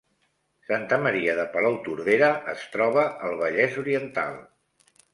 Santa Maria de Palautordera es troba al Vallès Oriental